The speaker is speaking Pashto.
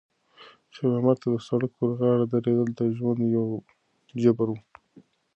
خیر محمد ته د سړک پر غاړه درېدل د ژوند یو جبر و.